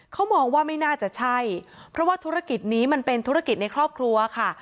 เขามองว่าไม่น่าจะใช่เพราะว่าธุรกิจนี้มันเป็นธุรกิจในครอบครัวค่ะ